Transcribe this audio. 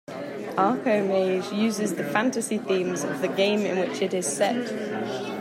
"Arcomage" uses the fantasy themes of the game in which it is set.